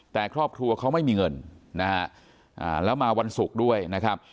แต่ครอบครัวเขาไม่มีเงินนะฮะแล้วมาวันศุกร์ด้วยนะครับ